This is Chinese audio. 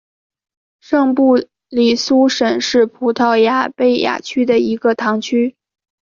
圣布里苏什是葡萄牙贝雅区的一个堂区。